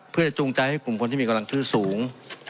เพื่อจะจูงใจให้กลุ่มคนที่มีกำลังซื้อสูง